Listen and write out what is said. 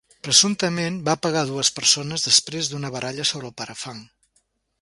Presumptament va pegar dues persones després d'una baralla sobre el parafang.